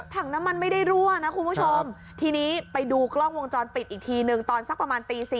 ถังน้ำมันไม่ได้รั่วนะคุณผู้ชมทีนี้ไปดูกล้องวงจรปิดอีกทีหนึ่งตอนสักประมาณตี๔